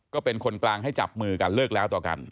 ก็เป็นคนกลางให้จับมือกันเลิกแล้วต่อกัน